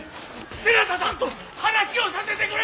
世良田さんと話をさせてくれ！